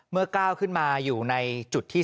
เมื่อก้าวขึ้นมาอยู่ในจุดที่